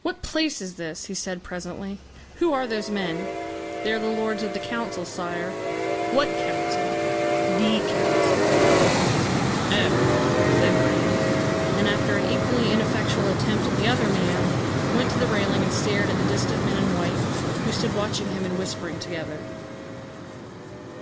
"What place is this?" he said presently. "Who are those men?" "They are the lords of the Council, Sire." "What Council?" "The Council." "Oh!" said Graham, and after an equally ineffectual attempt at the other man, went to the railing and stared at the distant men in white, who stood watching him and whispering together.